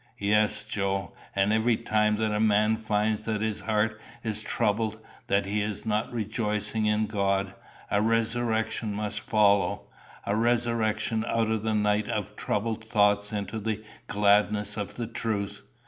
Yes, Joe; and every time that a man finds that his heart is troubled, that he is not rejoicing in God, a resurrection must follow a resurrection out of the night of troubled thoughts into the gladness of the truth.